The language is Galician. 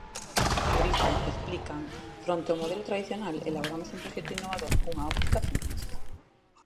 Por iso, explican, fronte ao modelo tradicional elaboramos un proxecto innovador cunha óptica feminista.